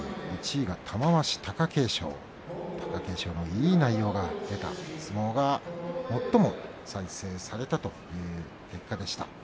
１位は玉鷲、貴景勝貴景勝のいい内容が出た相撲が最も再生されたという結果でした。